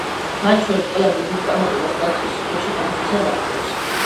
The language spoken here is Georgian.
მათ შორის ყველაზე დიდ წარმატებას „ლაციოს“ რიგებში გამოსვლისას აღწევს.